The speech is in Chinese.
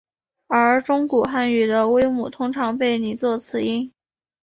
而中古汉语的微母通常被拟作此音。